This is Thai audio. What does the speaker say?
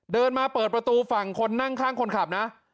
เดินมาเปิดประตูฝั่งคนนั่งข้างคนขับนะ